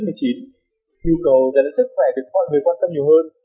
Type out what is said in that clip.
nhu cầu đã đánh sức khỏe được mọi người quan tâm nhiều hơn